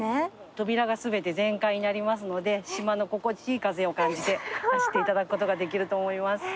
扉が全て全開になりますので島の心地いい風を感じて走っていただくことができると思います。